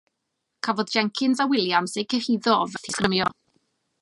Cafodd Jenkins a Williams eu cyhuddo o fethu sgrymio.